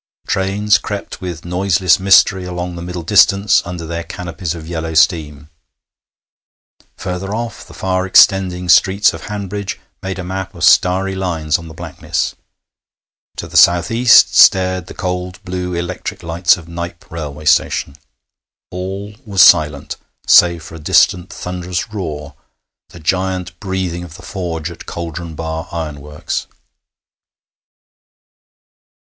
Trains crept with noiseless mystery along the middle distance, under their canopies of yellow steam. Further off the far extending streets of Hanbridge made a map of starry lines on the blackness. To the south east stared the cold, blue electric lights of Knype railway station. All was silent, save for a distant thunderous roar, the giant breathing of the forge at Cauldon Bar Ironworks.